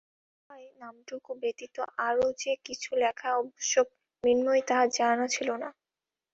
লেফাফায় নামটুকু ব্যতীত আরও যে কিছু লেখা আবশ্যক মৃন্ময়ীর তাহা জানা ছিল না।